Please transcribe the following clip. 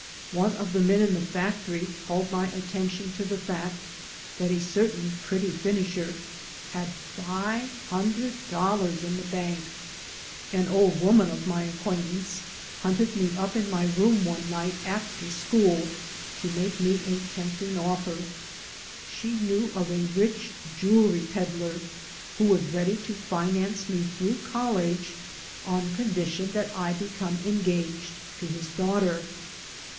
One of the men in the factory called my attention to the fact that a certain pretty finisher had five hundred dollars in the bank. An old woman of my acquaintance hunted me up in my room one night after school to make me a tempting oflfer. She knew of a rich jewelry peddler who was ready to finance me through college on condition that I become engaged to his daughter.